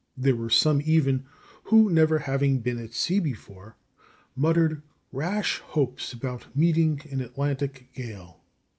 There were some even, who, never having been at sea before, muttered rash hopes about meeting an Atlantic gale.